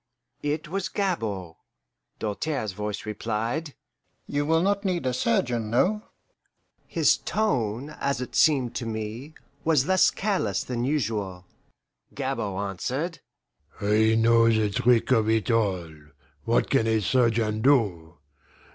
It was Gabord. Doltaire's voice replied, "You will not need a surgeon no?" His tone, as it seemed to me, was less careless than usual. Gabord answered, "I know the trick of it all what can a surgeon do?